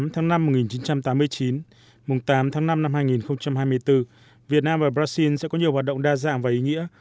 một mươi tháng năm một nghìn chín trăm tám mươi chín tám tháng năm năm hai nghìn hai mươi bốn việt nam và brazil sẽ có nhiều hoạt động đa dạng và ý nghĩa